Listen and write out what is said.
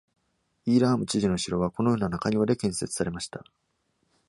イーラーム知事の城はこのような中庭で建設されました。